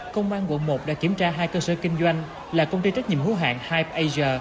công an quận một đã kiểm tra hai cơ sở kinh doanh là công ty trách nhiệm hữu hạng hyp asia